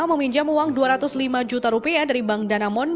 meminjam uang dua ratus lima juta rupiah dari bank danamon